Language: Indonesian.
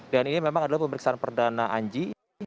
dan ini memang adalah pemeriksaan perdana anji